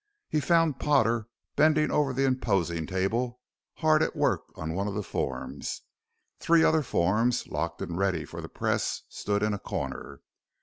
He found Potter bending over the imposing table, hard at work on one of the forms. Three other forms, locked and ready for the press, stood in a corner.